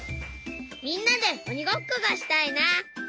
みんなでおにごっこがしたいな。